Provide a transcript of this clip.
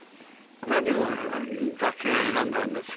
何を楽器は選んだんですか？